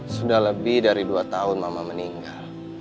sudah lebih dari dua tahun mama meninggal